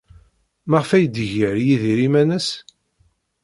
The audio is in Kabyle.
Maɣef ay d-iger Yidir iman-nnes?